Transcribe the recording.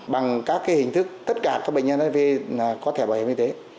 bằng các hình thức tất cả các bệnh nhân hiv có thẻ bảo hiểm y tế